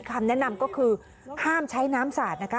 คำแนะนำก็คือห้ามใช้น้ำสาดนะคะ